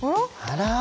あら。